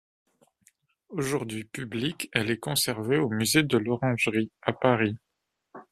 Aujourd'hui publique, elle est conservée au musée de l'Orangerie, à Paris.